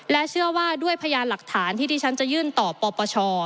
และเชื่อว่าด้วยพยานหลักฐานที่ที่ฉันจะยื่นต่อปปช